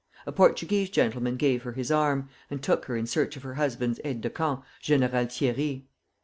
A Portuguese gentleman gave her his arm, and took her in search of her husband's aide de camp, General Thierry.